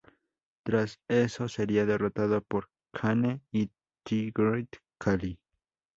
Tras eso, sería derrotado por Kane y The Great Khali.